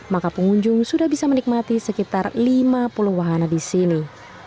maka pengunjung sudah bisa menikmati sekitar lima puluh wahana di sini